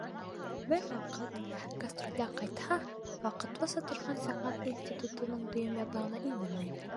Бер ваҡыт гастролдән ҡайтһа, ваҡытлыса торған сәнғәт институтының дөйөм ятағына индермәйҙәр.